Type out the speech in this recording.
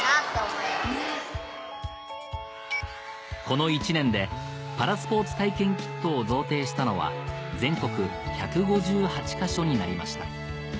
この１年でパラスポーツ体験キットを贈呈したのは全国１５８か所になりました